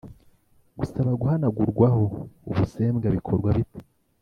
gusaba guhanagurwaho ubusembwa bikorwa bite